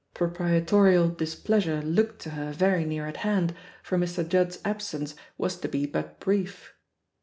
Proprietorial dis » pleasure looked to her very near at hand, for Mr, Judd's absence was to be but brief.